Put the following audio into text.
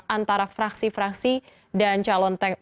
antara fraksi fraksi dan calon